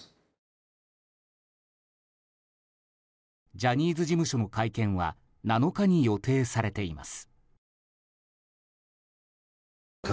ジャニーズ事務所の会見は７日に予定されています。